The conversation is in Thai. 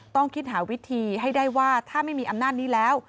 ต้องคิดหาวิธีให้ได้ว่าถ้าไม่มีอำนาจนี้แล้ว